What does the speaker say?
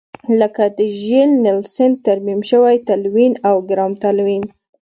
لکه د ژیل نیلسن ترمیم شوی تلوین او ګرام تلوین.